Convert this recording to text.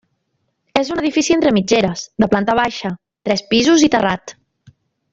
És un edifici entre mitgeres, de planta baixa, tres pisos i terrat.